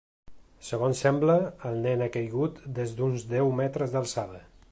Segons sembla, el nen ha caigut des d’uns deu metres d’alçada.